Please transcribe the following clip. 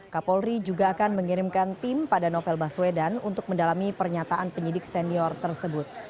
kapolri juga akan mengirimkan tim pada novel baswedan untuk mendalami pernyataan penyidik senior tersebut